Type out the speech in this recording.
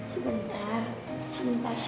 sebentar sebentar ya